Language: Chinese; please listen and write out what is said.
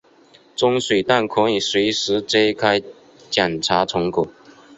蒸水蛋可以随时揭开捡查成果。